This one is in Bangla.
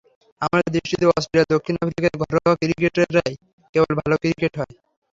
আমার দৃষ্টিতে অস্ট্রেলিয়া, দক্ষিণ আফ্রিকার ঘরোয়া ক্রিকেটেই কেবল ভালো ক্রিকেট হয়।